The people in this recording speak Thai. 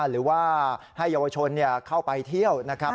หรือว่าให้เยาวชนเข้าไปเที่ยวนะครับ